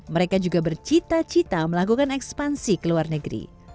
mereka juga bercita cita melakukan ekspansi ke luar negeri